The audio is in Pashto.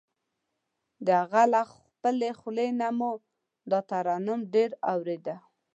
د هغه له خپلې خولې نه مې دا ترنم ډېر اورېده.